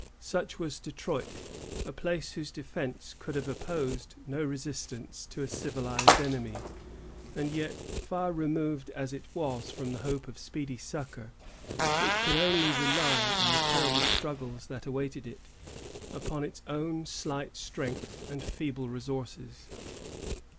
Such was Detroit,——a place whose defences could have opposed no resistance to a civilized enemy; and yet, far removed as it was from the hope of speedy succor, it could only rely, in the terrible struggles that awaited it, upon its own slight strength and feeble resources.